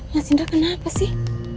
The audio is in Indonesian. mas indra kenapa sih